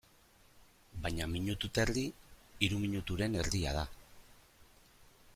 Baina minutu eta erdi, hiru minuturen erdia da.